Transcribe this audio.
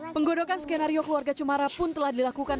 penggodokan skenario keluarga cemara pun telah dilakukan